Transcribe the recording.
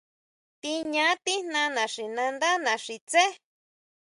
Tiña tijna naxinandá naxi tsé.